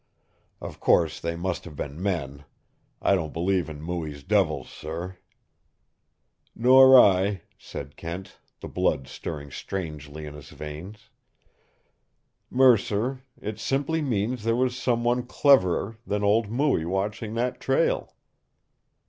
Of course they must have been men. I don't believe in Mooie's devils, sir." "Nor I," said Kent, the blood stirring strangely in his veins. "Mercer, it simply means there was some one cleverer than old Mooie watching that trail."